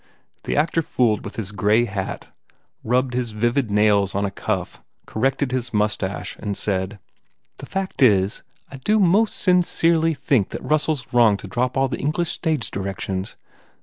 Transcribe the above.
The actor fooled with his grey hat, rubbed his vivid nails on a cuff, corrected his moustache and said, u The fact is I do most sincerely think that Russell s wrong to drop all the English stage directions.